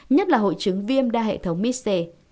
nhất là hội chứng viêm đa hệ thống mis c